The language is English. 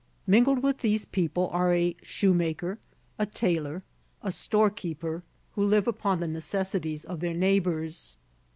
Mingled with these people are a shoemaker, a tailor, a storekeeper, who live upon the necessities of their neighbors.